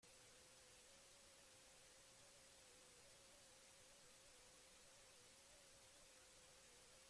Edo are larriagoa dena, toplessa egiten duenak bortxaketa arriskua duela?